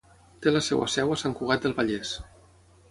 Té la seva seu a Sant Cugat del Vallès.